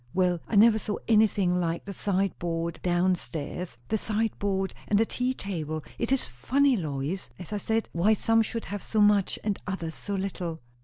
"Well I never saw anything like the sideboard down stairs; the sideboard and the tea table. It is funny, Lois, as I said, why some should have so much, and others so little."